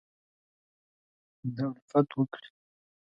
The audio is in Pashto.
دالفت وکړي